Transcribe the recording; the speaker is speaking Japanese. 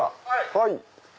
はい。